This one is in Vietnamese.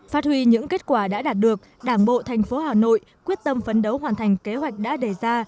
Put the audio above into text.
phát huy những kết quả đã đạt được đảng bộ thành phố hà nội quyết tâm phấn đấu hoàn thành kế hoạch đã đề ra